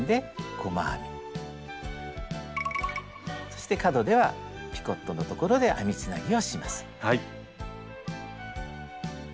そして角ではピコットの所で編みつなぎをします。